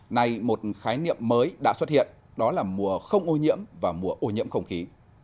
nay một khái niệm mới đã xuất hiện đó là mùa không ô nhiễm và mùa ô nhiễm không khí